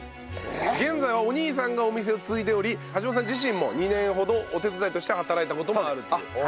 現在はお兄さんがお店を継いでおり橋本さん自身も２年ほどお手伝いとして働いた事もあるという。